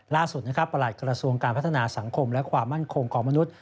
ล่าสุดนะครับประหลัดกระทรวงการพัฒนาสังคมและความมั่นคงของมนุษย